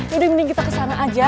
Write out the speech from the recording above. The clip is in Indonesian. udah mending kita kesana aja